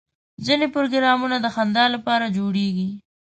ځینې پروګرامونه د خندا لپاره جوړېږي.